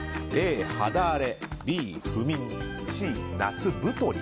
Ａ、肌荒れＢ、不眠Ｃ、夏太り。